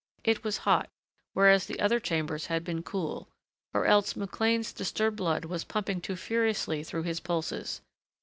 It was hot, whereas the other chambers had been cool or else McLean's disturbed blood was pumping too furiously through his pulses.